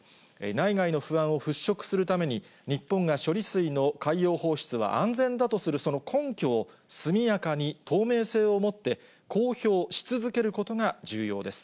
内外の不安を払拭するために、日本が処理水の海洋放出は安全だとするその根拠を速やかに透明性をもって、公表し続けることが重要です。